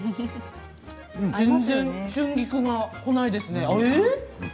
全然、春菊がこないですね。